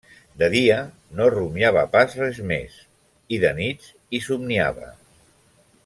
De dia no rumiava pas res més, i de nits hi somniava.